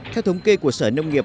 theo thống kê của sở nông nghiệp